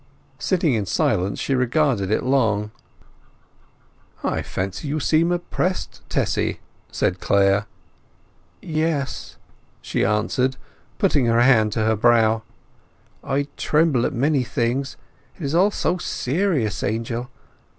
Sitting in silence she regarded it long. "I fancy you seem oppressed, Tessy," said Clare. "Yes," she answered, putting her hand to her brow. "I tremble at many things. It is all so serious, Angel.